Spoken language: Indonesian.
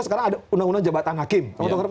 sekarang ada undang undang jabatan hakim